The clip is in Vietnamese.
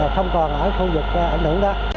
không còn ở khu vực ảnh hưởng đó